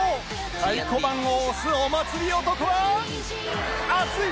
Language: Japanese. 太鼓判を押すお祭り男は熱い！